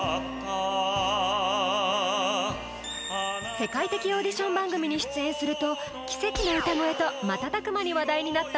世界的オーディション番組に出演すると奇跡の歌声と瞬く間に話題になった